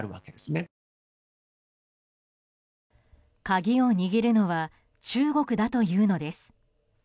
鍵を握るのは中国だというのです。